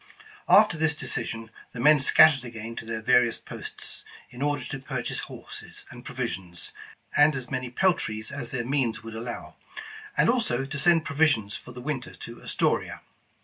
After this decision, the men scattered again to their various posts, in order to purchase horses and provi sions, and as many peltries as their means would al low, and also to send provisions for the winter to As toria.